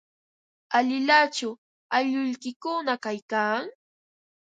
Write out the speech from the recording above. ¿Alilachu aylluykikuna kaykan?